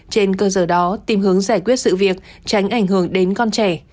trên cơ sở đó tìm hướng giải quyết sự việc tránh ảnh hưởng đến con trẻ